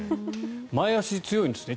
前足強いんですね。